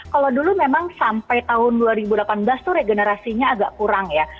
kalau dulu memang sampai tahun dua ribu delapan belas itu regenerasinya agak kurang ya